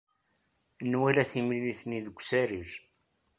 Nwala timlilit-nni deg usarir.